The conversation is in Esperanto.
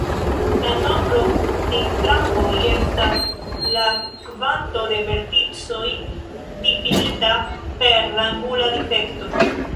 La nombro en krampoj estas la kvanto de verticoj, difinita per la angula difekto.